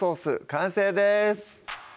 完成です